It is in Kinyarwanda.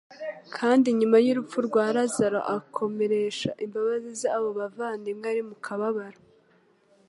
kandi nyuma y'urupfu rwa Lazaro akomeresha imbabazi ze abo bavandimwe bari mu kababaro.